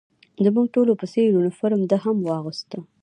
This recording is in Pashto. زموږ ټولو په څېر یونیفورم ده هم اغوسته.